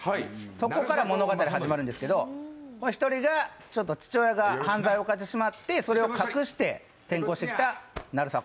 そこから物語が始まるんですけど、１人が父親が犯罪を犯してしまってそれを隠して転向してきた成迫。